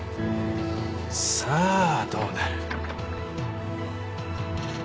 さあどうなる？